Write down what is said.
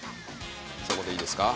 そこでいいですか？